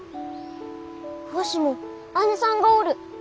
わしも姉さんがおる！